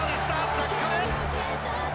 ジャッカル！